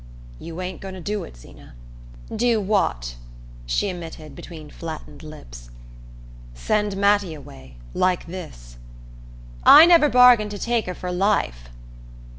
"You ain't going to do it, Zeena?" "Do what?" she emitted between flattened lips. "Send Mattie away like this?" "I never bargained to take her for life!"